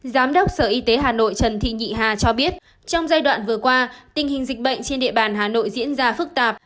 giám đốc sở y tế hà nội trần thị nhị hà cho biết trong giai đoạn vừa qua tình hình dịch bệnh trên địa bàn hà nội diễn ra phức tạp